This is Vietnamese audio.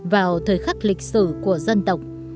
vào thời khắc lịch sử của dân tộc